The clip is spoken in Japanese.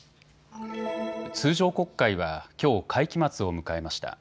通常国会はきょう会期末を迎えました。